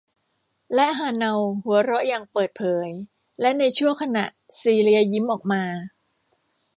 และฮาเนาหัวเราะอย่างเปิดเผย และในชั่วขณะ ซีเลียยิ้มออกมา